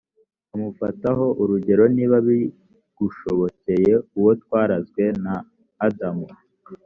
amufataho urugero niba bigushobokeye uwo twarazwe na adamu